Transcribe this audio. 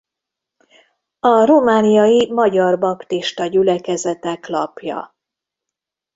A romániai magyar baptista gyülekezetek lapja.